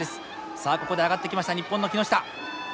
さあここで上がってきました日本の木下。